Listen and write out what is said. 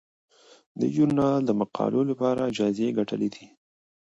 دې ژورنال د مقالو لپاره جایزې ګټلي دي.